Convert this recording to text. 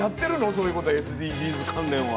そういうことＳＤＧｓ関連は。